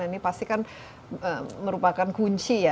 ini pasti kan merupakan kunci ya